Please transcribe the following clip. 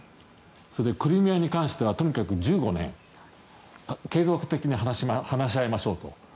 それでクリミアに関してはとにかく１５年継続的に話し合いましょうと。